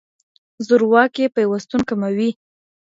زورواکي پيوستون کموي.